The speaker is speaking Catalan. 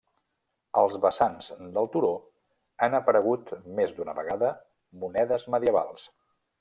Als vessants del turó han aparegut més d'una vegada monedes medievals.